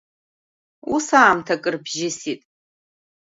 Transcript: Ус аамҭа акыр бжьысит.